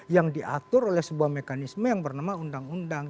yang diatur oleh sebuah mekanisme yang bernama undang undang